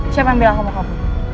siapa yang bilang aku mau kabur